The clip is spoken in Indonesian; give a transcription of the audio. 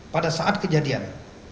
pada saat kejadian